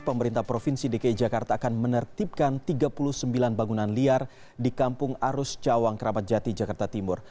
pemerintah provinsi dki jakarta akan menertibkan tiga puluh sembilan bangunan liar di kampung arus cawang keramat jati jakarta timur